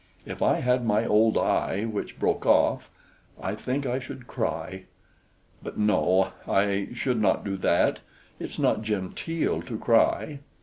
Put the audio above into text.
If I had my old eye, which broke off, I think I should cry; but, no, I should not do that; it's not genteel to cry."